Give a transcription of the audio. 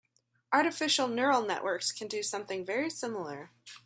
Artificial neural networks can do something very similar.